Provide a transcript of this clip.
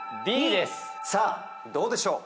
さあどうでしょう？